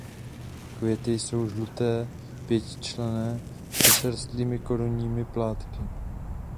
Květy jsou žluté pětičetné se srostlými korunními plátky.